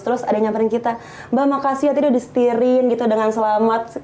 terus ada yang nyamperin kita mbak makasih ya tadi udah di setirin gitu dengan selamat